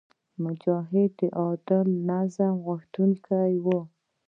مجاهد د عادل نظام غوښتونکی وي.